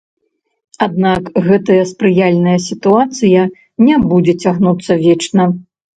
Аднак гэтая спрыяльная сітуацыя не будзе цягнуцца вечна.